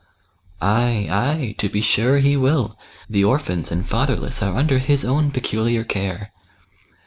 " Ay, ay ! to be sure He will ; the orphans and fatherless are under His own peculiar care."